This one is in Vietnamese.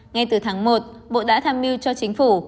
ngay từ tháng một bộ đã tham mưu cho chính phủ